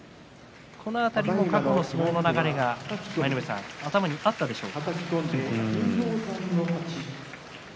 このあたりも過去の相撲の流れが、舞の海さん頭にあったでしょうか。